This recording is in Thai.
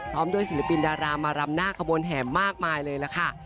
พร้อมด้วยศิลปินดารามารำหน้าขบวนแห่มากมายเลยล่ะค่ะ